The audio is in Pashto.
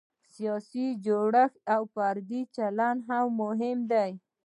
سیاسي جوړښت او فردي چلند هم مهم دی.